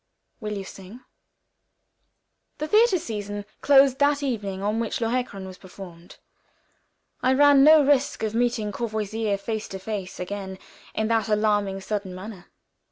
"Will you sing?" The theater season closed with that evening on which "Lohengrin" was performed. I ran no risk of meeting Courvoisier face to face again in that alarming, sudden manner.